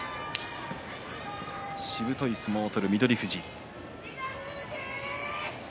しぶとい相撲を取る翠富士。